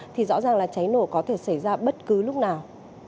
thì rõ ràng là cháy nổ có thể xảy ra bất cứ lúc nào